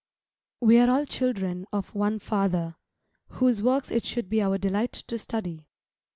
We are all children of one Father, whose Works it should be our delight to study.